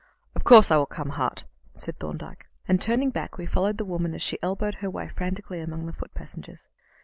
"Of course I will come, Hart," said Thorndyke; and, turning back, we followed the woman as she elbowed her way frantically among the foot passengers.